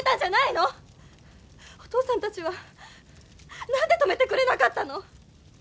お父さんたちは何で止めてくれなかったの？